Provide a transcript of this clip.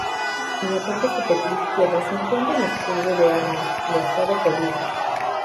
En la parte superior izquierda, se encuentra el escudo de armas del Estado Bolívar.